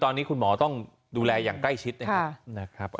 ตอนนี้คุณหมอต้องดูแลอย่างใกล้ชิดนะครับ